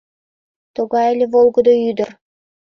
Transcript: Тугай ыле волгыдо ӱдыр!